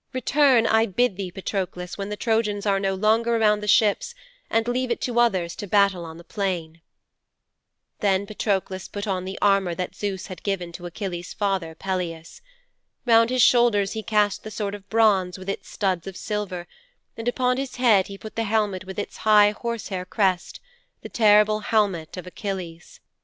Return, I bid thee, Patroklos, when the Trojans are no longer around the ships, and leave it to others to battle on the plain."' 'Then Patroklos put on the armour that Zeus had given to Achilles' father, Peleus. Round his shoulders he cast the sword of bronze with its studs of silver, and upon his head he put the helmet with its high horse hair crest the terrible helmet of Achilles.